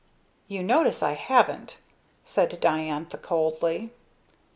"You notice I haven't," said Diantha coldly.